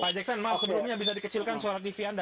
pak jackson maaf sebelumnya bisa dikecilkan suara tv anda